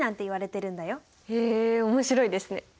へえ面白いですね。